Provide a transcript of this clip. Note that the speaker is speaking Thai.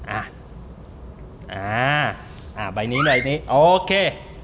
อะอ่าอ่าใบนี้หน่อยนี่โอเค